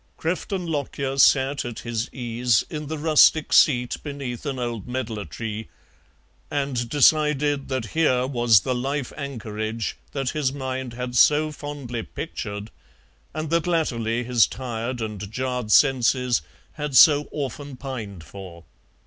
Crefton Lockyer sat at his ease in the rustic seat beneath an old medlar tree, and decided that here was the life anchorage that his mind had so fondly pictured and that latterly his tired and jarred senses had so often pined for.